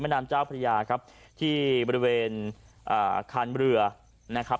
น้ำเจ้าพระยาครับที่บริเวณอ่าคานเรือนะครับ